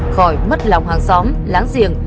khỏi mất lòng hàng xóm láng giềng